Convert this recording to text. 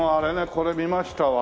これ見ましたわ。